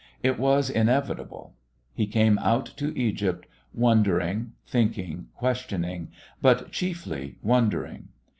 It was inevitable. He came out to Egypt wondering, thinking, questioning, but chiefly wondering.